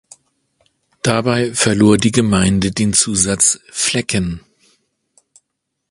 Dabei verlor die Gemeinde den Zusatz "Flecken".